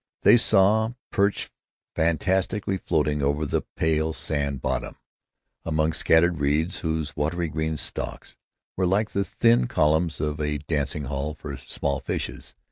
They saw perch fantastically floating over the pale sand bottom, among scattered reeds whose watery green stalks were like the thin columns of a dancing hall for small fishes.